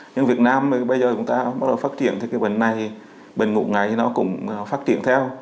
nhưng việt nam bây giờ chúng ta bắt đầu phát triển thì cái bệnh này bệnh ngủ ngáy nó cũng phát triển theo